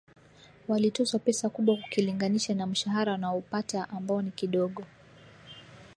walitozwa pesa kubwa ukilinganisha na mshahara wanaopata ambao ni kidogo